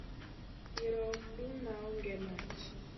Iro ok dum maonge mach